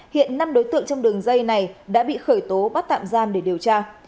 hiện năm đối tượng trong đường dây này đã bị khởi tố bắt tạm giam để điều tra